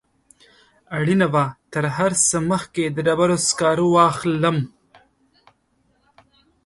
اړینه وه تر هر څه مخکې د ډبرو سکاره واخلم.